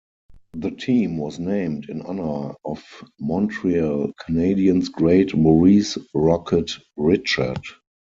The team was named in honour of Montreal Canadiens great Maurice "Rocket" Richard.